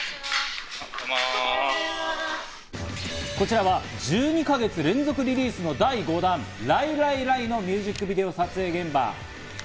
こちらは１２か月連続リリースの第５弾『ＬｉＥＬｉＥＬｉＥ』のミュージックビデオ撮影現場。